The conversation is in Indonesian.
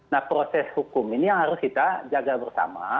nah proses hukum ini yang harus kita jaga bersama